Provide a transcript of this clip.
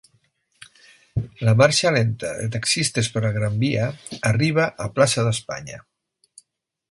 La marxa lenta de taxistes per la Gran Via arriba a Plaça d’Espanya.